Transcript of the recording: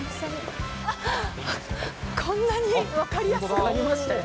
あっ、こんなに分かりやすくありましたよ。